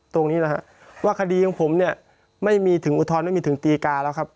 ตรงนี้นะฮะว่าคดีของผมเนี่ยไม่มีถึงอุทธรณไม่มีถึงตีกาแล้วครับ